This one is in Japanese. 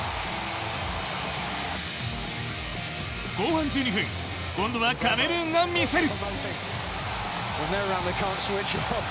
後半１２分今度はカメルーンが見せる。